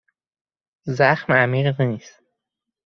زخم عمیق نیست.